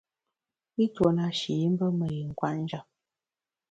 I tuo na shi i mbe me yin kwet njap.